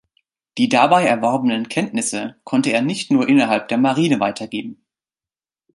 Die dabei erworbenen Kenntnisse konnte er nicht nur innerhalb der Marine weitergeben.